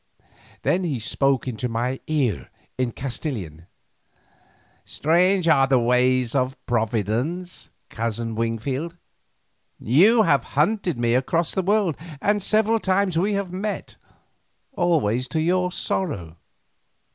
Then he spoke into my ear in Castilian: "Strange are the ways of Providence, Cousin Wingfield. You have hunted me across the world, and several times we have met, always to your sorrow.